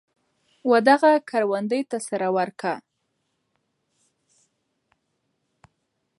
ودغه کروندې ته سره ورکه.